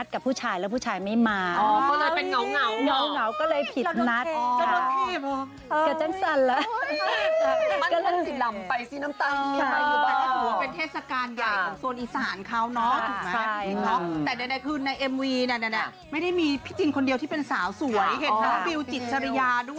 ใช่อ๋อถูกไหมใช่อ๋อแต่ใดใดคือในเอ็มวีเนี้ยเนี้ยเนี้ยไม่ได้มีพี่จินคนเดียวที่เป็นสาวสวยเห็นว่าบิวจิตชริยาด้วย